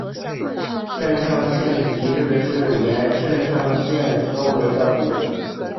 肾上腺皮质是沿肾上腺周围的部分。